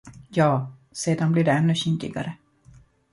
Ja, sedan blir det ännu kinkigare.